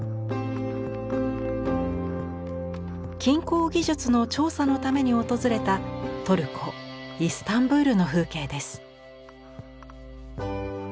金工技術の調査のために訪れたトルコイスタンブールの風景です。